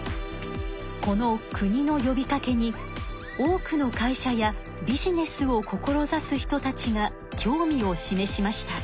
この国のよびかけに多くの会社やビジネスを志す人たちが興味を示しました。